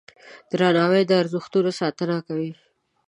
درناوی د ارزښتونو ساتنه کوي.